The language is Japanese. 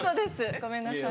ごめんなさい。